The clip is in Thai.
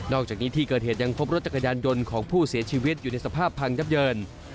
อกจากนี้ที่เกิดเหตุยังพบรถจักรยานยนต์ของผู้เสียชีวิตอยู่ในสภาพพังยับเยิน